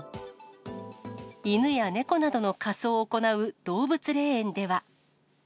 犬や猫などの火葬を行う動物霊園では。